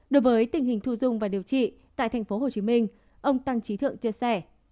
đối với tình hình thu dung và điều trị tại tp hcm ông tăng trí thượng chia sẻ